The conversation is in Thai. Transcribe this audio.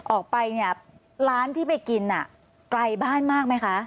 ออกไปเนี่ยร้านที่ไปกินน่ะไกลบ้านมากไหมคะ